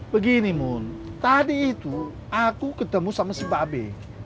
begini mun tadi itu aku ketemu sama si mbak be